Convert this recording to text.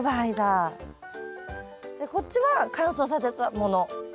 でこっちは乾燥させたもの。